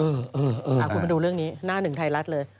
เอามาดูเรื่องนี้หน้าหนึ่งไทยรัฐเลย